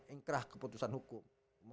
ingkrah keputusan hukum